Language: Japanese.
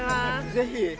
ぜひ！